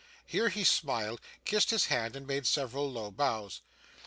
Here he smiled, kissed his hand, and made several low bows.